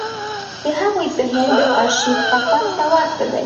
د هغوی ذهن د ارشیف قفس ته ورته دی.